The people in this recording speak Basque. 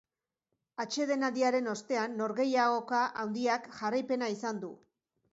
Atsedenaldiaren ostean norgehiagoka handiak jarraipena izan du.